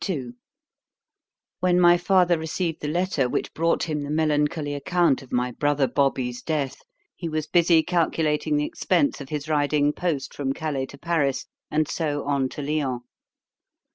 II WHEN my father received the letter which brought him the melancholy account of my brother Bobby's death, he was busy calculating the expence of his riding post from Calais to Paris, and so on to _Lyons.